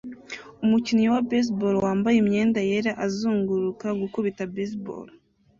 Umukinnyi wa baseball wambaye imyenda yera azunguruka gukubita baseball